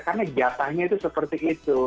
karena jatahnya itu seperti itu